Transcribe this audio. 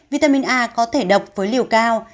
vitamin a có thể độc với liều cao